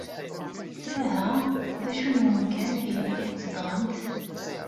Aha, d acu n wemkan aydeg tzedɣemt?